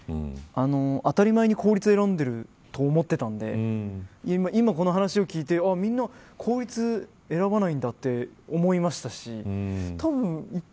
当たり前に公立を選んでいると思っていたので今、この話を聞いてみんな公立を選ばないんだって思いました。